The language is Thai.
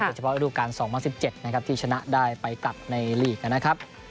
เฉพาะฤดูการ๒๐๑๗นะครับที่ชนะได้ไปกลับในลีกนะครับ